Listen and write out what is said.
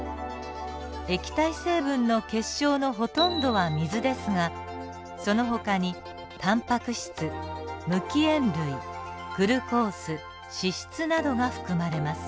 液体成分の血しょうのほとんどは水ですがそのほかにタンパク質無機塩類グルコース脂質などが含まれます。